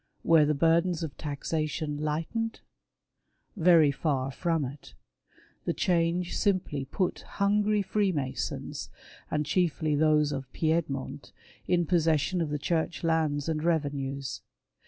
Were the burdens of taxation lightened ? Very far from it. The change simply put hungry Freemasons, and chiefly those of Piedmont, in possession of the Church lands and revenues.